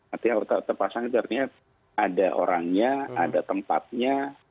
artinya terpasang itu artinya ada orangnya ada tempatnya